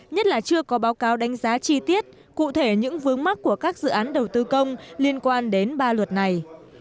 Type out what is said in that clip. nhất là chưa có báo cáo đánh giá chi tiết cụ thể những vướng mắt của các dự án đầu tư công liên quan đến ba luật này